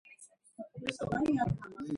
დინების ზემოთში მდებარეობს დეკაბრისტების ხიდი.